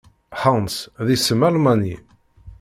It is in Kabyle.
Hans, d isem Almani.